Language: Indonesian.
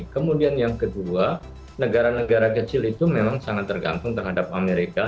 kemudian yang kedua negara negara kecil itu memang sangat tergantung terhadap amerika